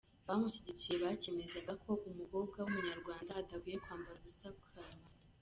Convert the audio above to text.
Abamushyigikiye bakemezaga ko umukobwa w’umunyarwanda adakwiye kwambara ubusa ku karubanda.